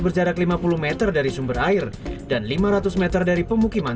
berjarak lima puluh meter dari sumber air dan lima ratus meter dari pemukiman